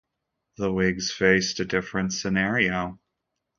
The Whigs faced a different scenario.